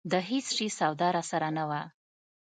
د هېڅ شي سودا راسره نه وه.